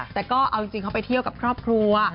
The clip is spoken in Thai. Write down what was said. แต่ก็เอาจริงเขาไปเที่ยวกับครอบครัว